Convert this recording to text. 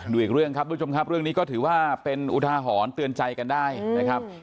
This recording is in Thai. อีกเรื่องครับทุกผู้ชมครับเรื่องนี้ก็ถือว่าเป็นอุทาหรณ์เตือนใจกันได้นะครับ